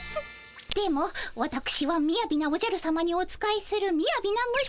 でもわたくしはみやびなおじゃるさまにお仕えするみやびな虫。